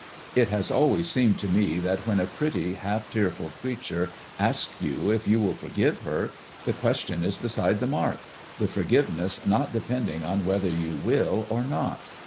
It has always seemed to me that when a pretty, half tearful creature asks you if you will forgive her, the question is beside the mark, the forgiveness not depending on whether you will or not.